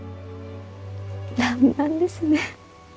らんまんですね。